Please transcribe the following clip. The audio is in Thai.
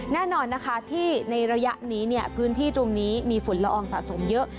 แน่นอนนะคะที่ในระยะนี้เนี่ยพื้นที่ตรงนี้มีฝุ่นละอองสะสมเยอะ